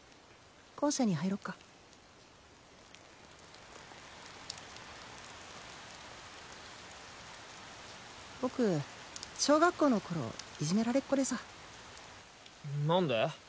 校舎に入ろっか僕小学校の頃いじめられっ子でさ何で？